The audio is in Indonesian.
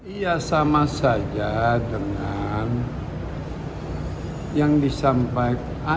iya sama saja dengan yang disampaikan